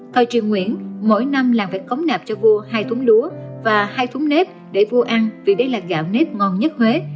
thời triều nguyễn mỗi năm làng phải cống nạp cho vua hai thúng lúa và hai thúng nếp để vua ăn vì đây là gạo nếp ngon nhất huế